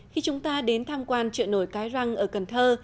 khi chúng ta đến tham quan trợ nổi cái răng ở cần thơ